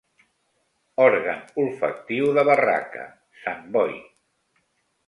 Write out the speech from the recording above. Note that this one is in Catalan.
Òrgan olfactiu de barraca, sant Boi.